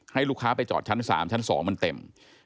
ให้ลูกค้าไปจอดชั้น๓ชั้น๒มันเต็ม